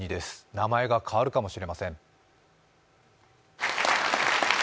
名前が変わるかもしれません。